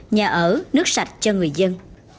nhà ở nước sạch cho người dân